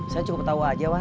saya cukup tau aja wan